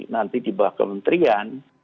nanti di bawah kementerian